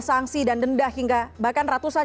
sanksi dan denda hingga bahkan ratusan